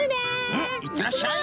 うんいってらっしゃい！